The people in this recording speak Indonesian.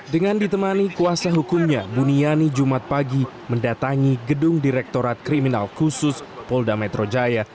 dengan ditemani kuasa hukumnya buniani jumat pagi mendatangi gedung direktorat kriminal khusus polda metro jaya